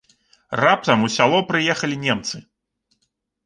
Раптам у сяло прыехалі немцы.